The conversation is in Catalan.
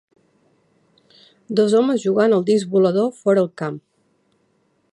Dos homes jugant al disc volador fora al camp.